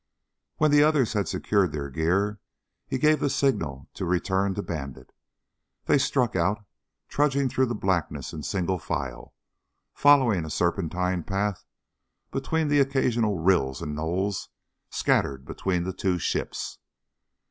When the others had secured their gear, he gave the signal to return to Bandit. They struck out, trudging through the blackness in single file, following a serpentine path between the occasional rills and knolls scattered between the two ships.